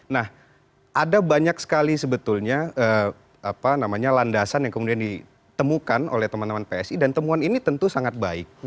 nah ada banyak sekali sebetulnya landasan yang kemudian ditemukan oleh teman teman psi dan temuan ini tentu sangat baik